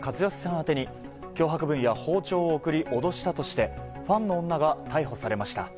宛てに脅迫文や包丁を送り脅したとしてファンの女が逮捕されました。